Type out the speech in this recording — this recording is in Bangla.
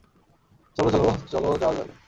চলো চলো -ওহ -চলো যাওয়া যাক।